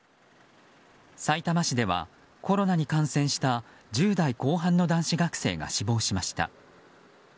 さいたま市ではコロナに感染した１０代後半の男子学生が死亡しました。